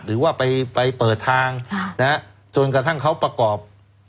หรือว่าไปเปิดทางจนกระทั่งเขาประกอบ